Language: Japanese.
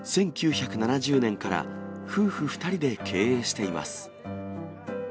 １９７０年から夫婦２人で経営しています。